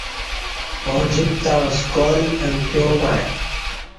اوجِک تعں سکال امکیاں مع